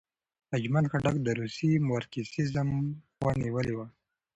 اجمل خټک د روسي مارکسیزم خوا نیولې وه.